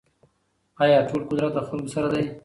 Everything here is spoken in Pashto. آيا ټول قدرت د خلګو سره دی؟